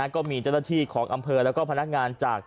ก็มีเจ้าหน้าที่ของอำเภอแล้วก็พนักงานจาก